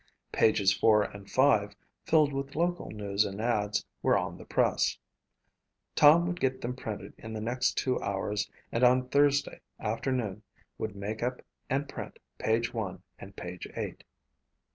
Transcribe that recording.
Pages four and five, filled with local news and ads, were on the press. Tom would get them printed in the next two hours and on Thursday afternoon would make up and print page one and page eight.